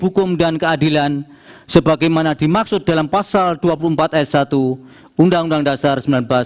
hukum dan keadilan sebagaimana dimaksud dalam pasal dua puluh empat s satu undang undang dasar seribu sembilan ratus empat puluh lima